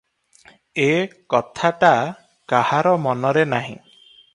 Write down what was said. ଏ କଥାଟା କାହାର ମନରେ ନାହିଁ ।